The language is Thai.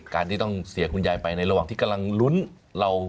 การที่ต้องเสียคุณยายไปในระหว่างที่กำลังลุ้น